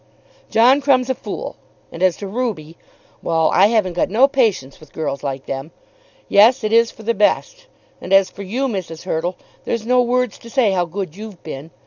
"John Crumb's a fool; and as to Ruby; well, I haven't got no patience with girls like them. Yes; it is for the best; and as for you, Mrs. Hurtle, there's no words to say how good you've been.